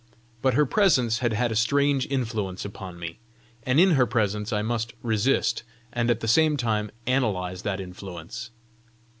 But her presence had had a strange influence upon me, and in her presence I must resist, and at the same time analyse that influence!